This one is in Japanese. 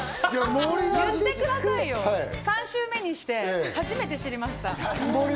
言ってくださいよ、３週目にして、初めて知りました。